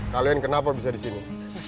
kalian kenapa bisa di sini